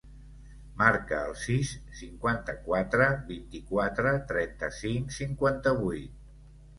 Marca el sis, cinquanta-quatre, vint-i-quatre, trenta-cinc, cinquanta-vuit.